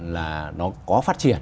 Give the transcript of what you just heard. là nó có phát triển